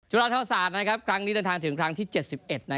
จุฏรท่าวสารครั้งนี้ต่างถึงครั้งที่๗๑